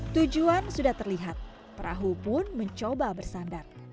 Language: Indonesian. tujuan sudah terlihat perahu pun mencoba bersandar